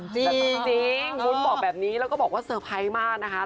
แต่จริงวุ้นบอกแบบนี้แล้วก็บอกว่าเซอร์ไพรส์มากนะคะ